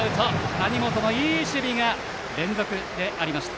谷本のいい守備が連続でありました。